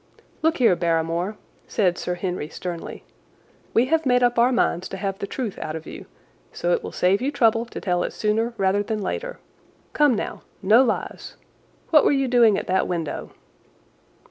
"Look here, Barrymore," said Sir Henry sternly, "we have made up our minds to have the truth out of you, so it will save you trouble to tell it sooner rather than later. Come, now! No lies! What were you doing at that window?"